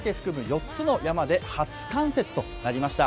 ４つの山で初冠雪となりました。